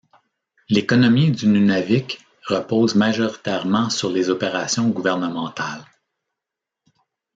L'économie du Nunavik repose majoritairement sur les opérations gouvernementales.